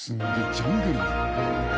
ジャングルだな。